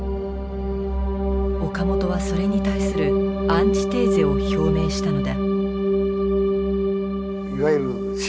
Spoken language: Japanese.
岡本はそれに対するアンチテーゼを表明したのだ。